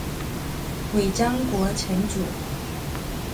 尾张国城主。